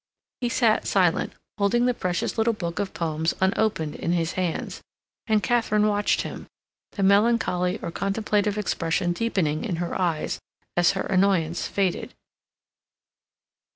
He sat silent, holding the precious little book of poems unopened in his hands, and Katharine watched him, the melancholy or contemplative expression deepening in her eyes as her annoyance faded.